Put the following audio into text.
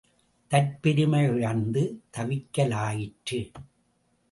தற்பெருமை இழந்து தவிக்கலாயிற்று.